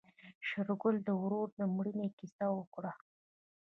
شېرګل د ورور د مړينې کيسه وکړه.